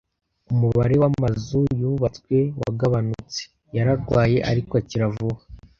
Umubare wamazu yubatswe wagabanutse. Yararwaye, ariko akira vuba.